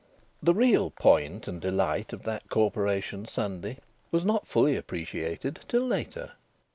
The real point and delight of that Corporation Sunday was not fully appreciated till later.